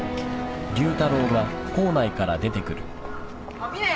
あっ峰！